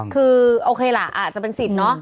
คือโอเคล่ะอาจจะเป็นสิทธิ์เนอะ